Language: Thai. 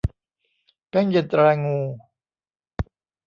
แป้งเย็นตรางู